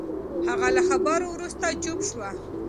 هغه له خبرو وروسته چوپ شو.